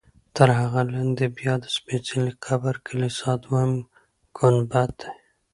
تر هغه لاندې بیا د سپېڅلي قبر کلیسا دویم ګنبد دی.